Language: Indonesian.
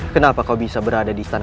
ternyata benar tick